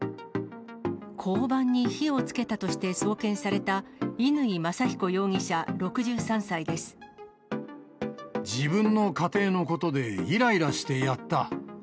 交番に火をつけたとして送検された、自分の家庭のことでいらいらしてやった。